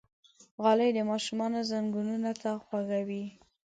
غالۍ د ماشومانو زنګونونه نه خوږوي.